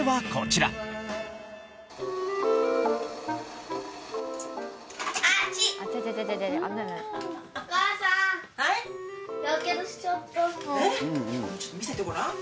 ちょっと見せてごらん。